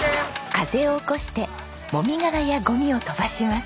風を起こしてもみ殻やゴミを飛ばします。